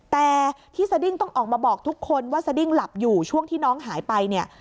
แต่ที่สดิ้งต้องออกมาบอกทุกคนว่าสดิ้งหลับอยู่ช่วงที่น้องหายไปเนี่ย